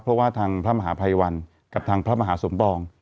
เพราะว่าทางพระมหาภัยวันกับทางพระมหาสมปอง